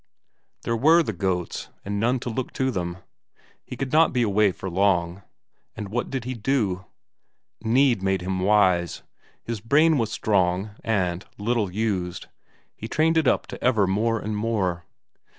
There were the goats, and none to look to them; he could not be away for long. And what did he do? Need made him wise; his brain was strong and little used; he trained it up to ever more and more.